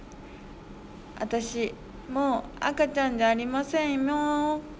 『あたしもうあかちゃんじゃありませんよう。